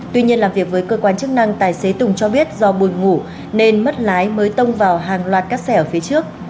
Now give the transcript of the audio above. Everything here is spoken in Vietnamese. tuy nhiên làm việc với cơ quan chức năng tài xế tùng cho biết do buồn ngủ nên mất lái mới tông vào hàng loạt các xe ở phía trước